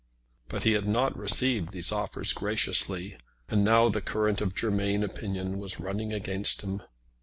But he had not received these offers graciously, and now the current of Germain opinion was running against him.